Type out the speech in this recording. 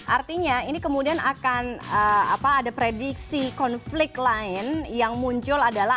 artinya ini kemudian akan ada prediksi konflik lain yang muncul adalah